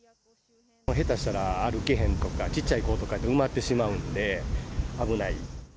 下手したら歩けへんとか、ちっちゃい子やと埋まってしまうんで、危ない。